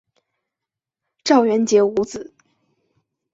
赵元杰无子。